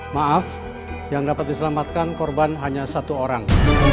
maaf yang dapat diselamatkan korban hanya satu orang